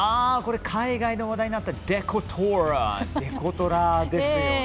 海外で話題になったデコトラですよね。